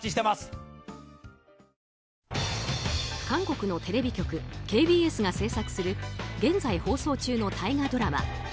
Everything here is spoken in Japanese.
韓国のテレビ局ＫＢＳが制作する現在放送中の大河ドラマ